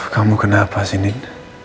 kamu kenapa sih nen